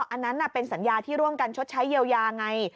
อันนั้นเป็นสัญญาที่ร่วมกันชดใช้เยียวยาไง